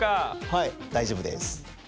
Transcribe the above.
はい大丈夫です。